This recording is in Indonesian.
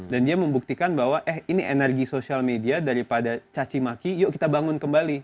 dan dia membuktikan bahwa eh ini energi social media daripada caci maki yuk kita bangun kembali